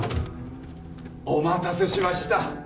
お待たせしました